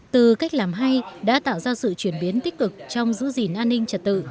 từ cách làm hay đã tạo ra sự chuyển biến tích cực trong giữ gìn an ninh trật tự